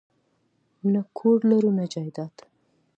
نه کور لرو نه جایداد